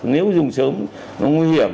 nếu dùng sớm nó nguy hiểm